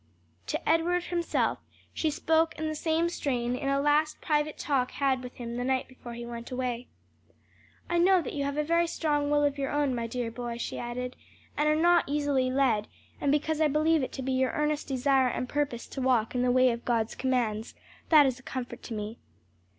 To Edward himself she spoke in the same strain in a last private talk had with him the night before he went away. "I know that you have a very strong will of your own, my dear boy," she added, "and are not easily led; and because I believe it to be your earnest desire and purpose to walk in the way of God's commands, that is a comfort to me."